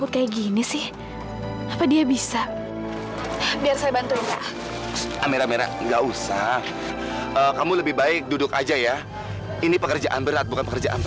tapi aku pasti berdoa